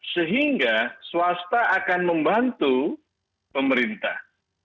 sehingga swasta akan membantu pemerintah